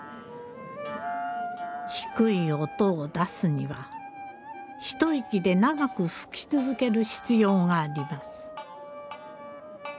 低い音を出すには一息で長く吹き続ける必要があります。